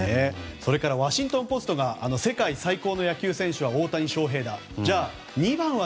それからワシントン・ポストが世界最強の野球選手は大谷選手だと。